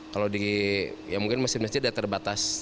kalau di ya mungkin masjid masjid ya terbatas